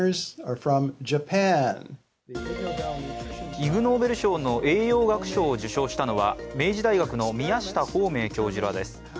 イグ・ノーベル賞の栄養学賞を受賞したのは明治大学の宮下芳明教授らです。